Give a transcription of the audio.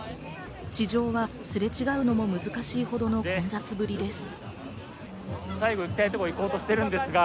地上はすれ違うのも難しいほどの混雑ぶりです。